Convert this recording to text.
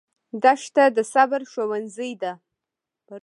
دښته د صبر ښوونځی دی.